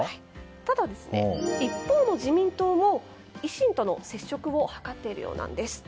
ただ、一方の自民党も維新との接触を図っているようなんです。